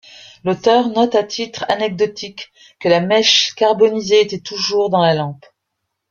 L'auteur note à titre anecdotique que la mèche carbonisée était toujours dans la lampe.